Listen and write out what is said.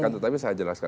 tetapi saya jelaskan